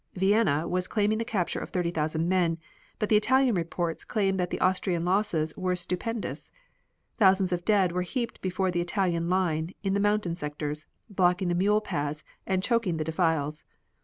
Vienna was claiming the capture of 30,000 men, but the Italian reports claimed that the Austrian losses were stupendous. Thousands of dead were heaped before the Italian line in the mountain sectors, blocking the mule paths and choking the defiles.